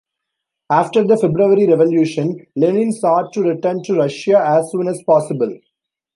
After the February Revolution Lenin sought to return to Russia as soon as possible.